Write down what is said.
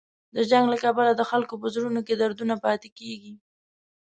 د جنګ له کبله د خلکو په زړونو کې دردونه پاتې کېږي.